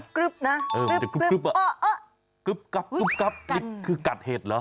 จะกรึบนะกรึบอะกรึบกับกรึบกับคือกัดเห็ดเหรอ